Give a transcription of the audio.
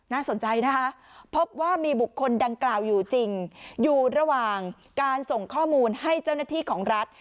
สนใจนะคะพบว่ามีบุคคลดังกล่าวอยู่จริงอยู่ระหว่างการส่งข้อมูลให้เจ้าหน้าที่ของรัฐ